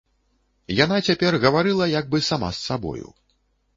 Яна цяпер гаварыла як бы сама з сабою.